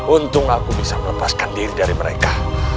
untung aku bisa melepaskan diri dari mereka